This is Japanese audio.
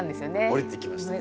おりてきましたね。